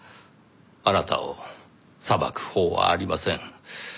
あなたを裁く法はありません。